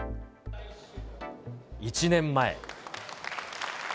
１年前。